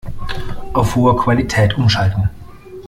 Auf hohe Qualität umschalten.